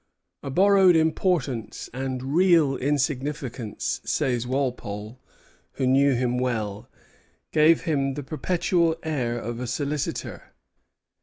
"A borrowed importance and real insignificance," says Walpole, who knew him well, "gave him the perpetual air of a solicitor....